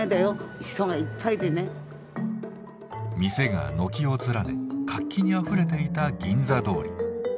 店が軒を連ね活気にあふれていた銀座通り。